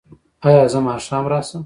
ایا زه ماښام راشم؟